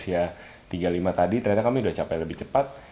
bebas finansial di usia tiga puluh lima tadi ternyata kami udah capai lebih cepat